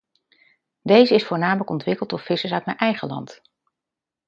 Deze is voornamelijk ontwikkeld door vissers uit mijn eigen land.